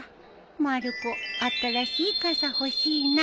まる子新しい傘欲しいな。